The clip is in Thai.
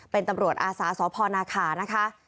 เป็นตำรวจอาสาสพนาคานะคะ